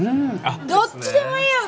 どっちでもいいよ